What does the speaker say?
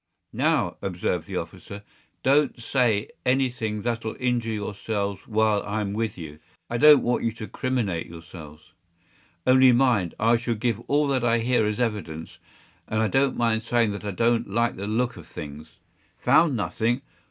” “Now,” observed the officer, “don’t say any thing that’ll injure yourselves while I’m with you. I don’t want you to criminate yourselves. Only mind, I shall give all that I hear as evidence; and I don’t mind saying that I don’t like the look of things. ‘Found nothing!